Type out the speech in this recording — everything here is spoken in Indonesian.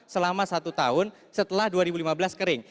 selama satu tahun setelah dua ribu lima belas kering